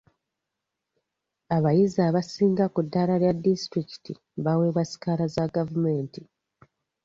Abayizi abasinga ku ddaala lya disitulikiti baweebwa sikaala za gavumenti.